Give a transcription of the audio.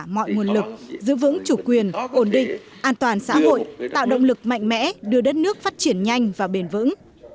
mọi nguồn lực giữ vững chủ quyền ổn định an toàn xã hội tạo động lực mạnh mẽ đưa đất nước phát triển nhanh và bền vững